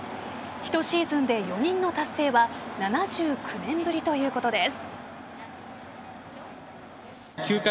１シーズンで４人の達成は７９年ぶりということです。